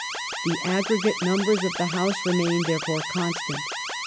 The aggregate numbers of the House remained therefore constant.